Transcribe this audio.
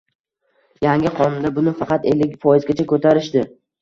Yangi qonunda buni faqat ellik foizgacha ko‘tarishdi.